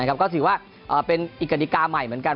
ก็ถือว่าเป็นอีกกฎิกาใหม่เหมือนกัน